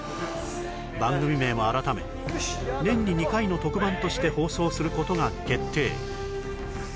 番組名も改め年に２回の特番として放送することが決定